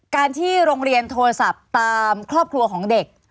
การที่โรงเรียนโทรศัพท์ตามครอบครัวของเด็ก